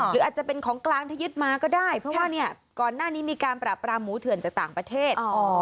หรืออาจจะเป็นของกลางที่ยึดมาก็ได้เพราะว่าเนี่ยก่อนหน้านี้มีการปราบรามหมูเถื่อนจากต่างประเทศ